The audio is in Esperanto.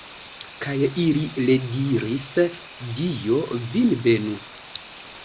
Kaj ili rediris: Dio vin benu!